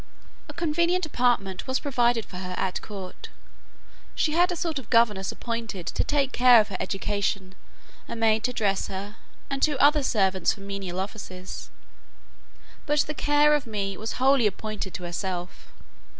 A convenient apartment was provided for her at court: she had a sort of governess appointed to take care of her education, a maid to dress her, and two other servants for menial offices; but the care of me was wholly appropriated to herself.